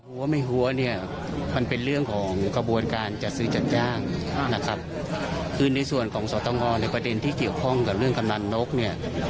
หัวไม่หัวเนี่ยมันเป็นเรื่องของกระบวนการจัดซื้อจัดจ้างนะครับคือในส่วนของสตงในประเด็นที่เกี่ยวข้องกับเรื่องกำนันนกเนี่ย